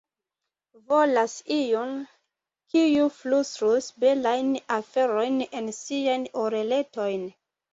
Volas iun, kiu flustrus belajn aferojn en ŝiajn oreletojn.